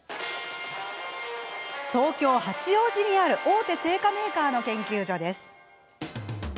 東京・八王子にある大手製菓メーカーの研究所です。